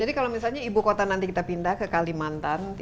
jadi kalau misalnya ibu kota nanti kita pindah ke kalimantan